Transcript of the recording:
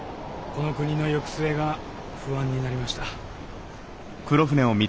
この国の行く末が不安になりました。